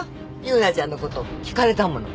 夕菜ちゃんの事を聞かれたもの